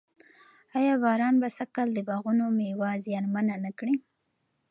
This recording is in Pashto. آیا باران به سږ کال د باغونو مېوه زیانمنه نه کړي؟